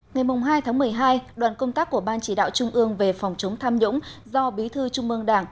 ngày hai tháng một mươi hai đoàn công tác của ban chỉ đạo trung ương về phòng chống tham nhũng do bí thư trung mương đảng